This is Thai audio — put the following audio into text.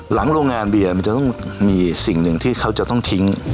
โรงงานเบียร์มันจะต้องมีสิ่งหนึ่งที่เขาจะต้องทิ้ง